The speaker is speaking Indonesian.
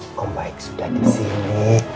nih om baik sudah disini